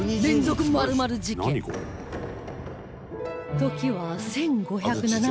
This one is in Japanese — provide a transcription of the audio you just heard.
時は１５７９年